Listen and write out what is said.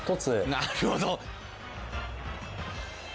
なるほど。